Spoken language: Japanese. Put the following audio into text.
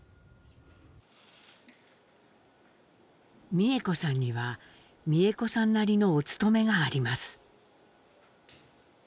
美江子さんには美江子さんなりの「おつとめ」があります。